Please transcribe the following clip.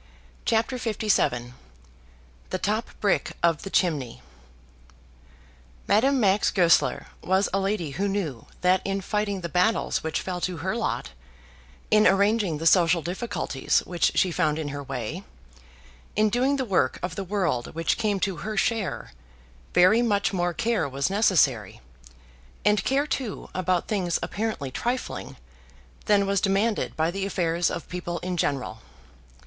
CHAPTER LVII The Top Brick of the Chimney Madame Max Goesler was a lady who knew that in fighting the battles which fell to her lot, in arranging the social difficulties which she found in her way, in doing the work of the world which came to her share, very much more care was necessary, and care too about things apparently trifling, than was demanded by the affairs of people in general.